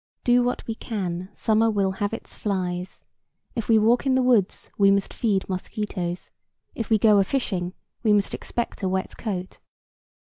Do what we can, summer will have its flies; if we walk in the woods we must feed mosquitos; if we go a fishing we must expect a wet coat.